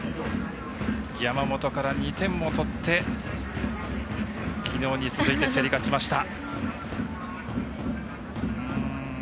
山本から２点も取ってきのうに続いて競り勝ちました。